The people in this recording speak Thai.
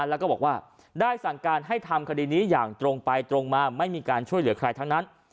แล้วก็บอกว่าได้สั่งการให้ทำคดีนี้อย่างตรงไปตรงมาไม่มีการช่วยเหลือใครทั้งนั้น